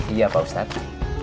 iya pak ustadz